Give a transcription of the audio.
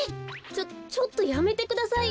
ちょちょっとやめてくださいよ。